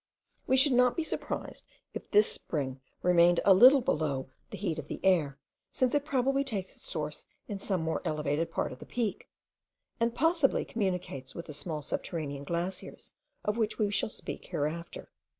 We should not be surprised if this spring remained a little below the heat of the air, since it probably takes its source in some more elevated part of the peak, and possibly communicates with the small subterranean glaciers of which we shall speak hereafter.